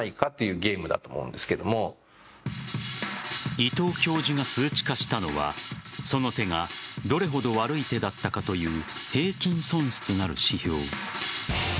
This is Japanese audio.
伊藤教授が数値化したのはその手がどれほど悪い手だったかという平均損失なる指標。